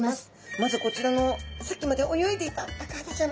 まずこちらのさっきまで泳いでいたアカハタちゃん。